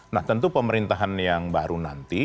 nah tentu pemerintahan yang baru nanti